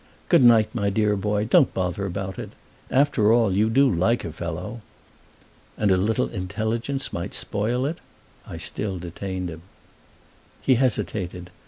"Good night, my dear boy—don't bother about it. After all, you do like a fellow." "And a little intelligence might spoil it?" I still detained him. He hesitated.